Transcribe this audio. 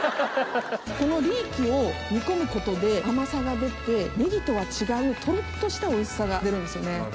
このリーキを煮込むことで甘さが出てねぎとは違うトロっとしたおいしさが出るんですよね。